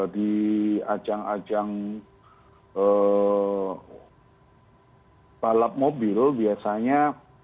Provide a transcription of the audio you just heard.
di ajang ajang balap mobil biasanya